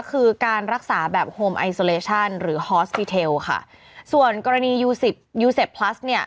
คือการรักษาแบบโฮมไอโซเลชั่นหรือฮอสปีเทลค่ะส่วนกรณียูสิบยูเซฟพลัสเนี่ย